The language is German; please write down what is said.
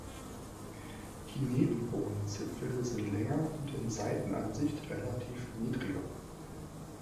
Die Nebenkronenzipfel sind länger und in Seitenansicht relativ niedriger.